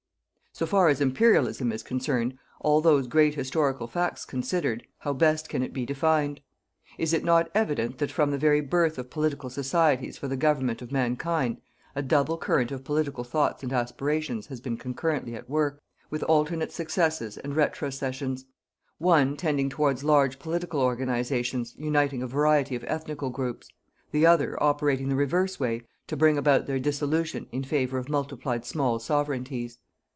So far as Imperialism is concerned, all those great historical facts considered, how best can it be defined? Is it not evident that from the very birth of political societies for the government of Mankind, a double current of political thoughts and aspirations has been concurrently at work, with alternate successes and retrocessions: one tending towards large political organizations, uniting a variety of ethnical groups; the other operating the reverse way to bring about their dissolution in favour of multiplied small sovereignties.